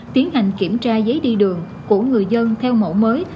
tiến hành kiểm tra giấy đi đường của người dân theo mẫu mới